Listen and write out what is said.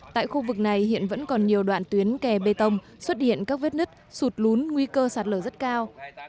tại khu vực này hiện vẫn còn nhiều đoạn tuyến kè bê tông xuất hiện các vết nứt sụt lún nguy cơ sạt lở rất cao